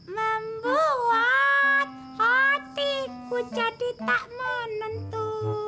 membuat hatiku jadi tak menentu